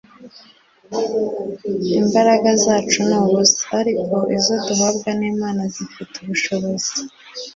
imbaraga zacu ni ubusa, ariko izo duhabwa n'imana zifite ubushobozi